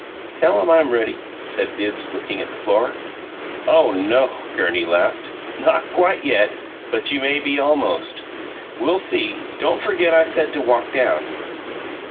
"Tell him I'm ready," said Bibbs, looking at the floor. "Oh no," Gurney laughed. "Not quite yet; but you may be almost. We'll see. Don't forget I said to walk down."